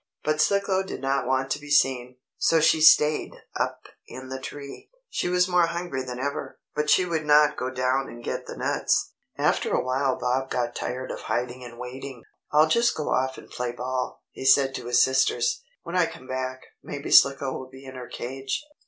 But Slicko did not want to be seen, so she stayed up in the tree. She was more hungry than ever, but she would not go down and get the nuts. After a while Bob got tired of hiding and waiting. "I'll just go off and play ball," he said to his sisters. "When I come back, maybe Slicko will be in her cage."